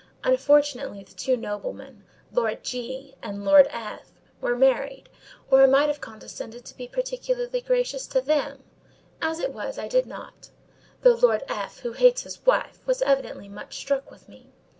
Unfortunately the two noblemen, Lord G—— and Lord F——, were married, or I might have condescended to be particularly gracious to them; as it was, I did not: though Lord F——, who hates his wife, was evidently much struck with me.